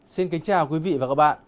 xin kính chào quý vị và các bạn